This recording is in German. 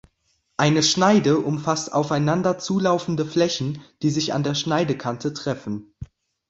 Eine Schneide umfasst aufeinander zulaufende Flächen die sich an der Schneidekante treffen.